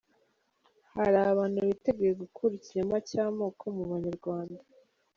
Hari abantu biteguye gukura ikinyoma cy’amoko mu banyarwanda.